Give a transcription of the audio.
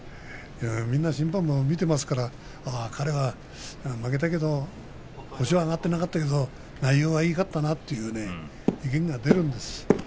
みんな審判部、見ていますから彼は負けたけれど星が挙がっていなかったけれど内容はよかったなって意見が出るんです。